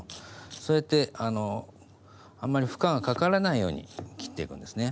そうやってあんまり負荷がかからないように切っていくんですね。